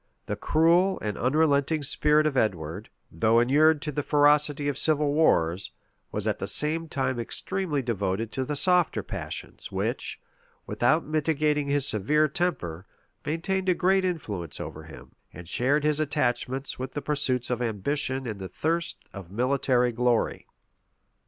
The cruel and unrelenting spirit of Edward, though inured to the ferocity of civil wars, was at the same time extremely devoted to the softer passions, which, without mitigating his severe temper, maintained a great influence over him, and shared his attachment with the pursuits of ambition and the thirst of military glory.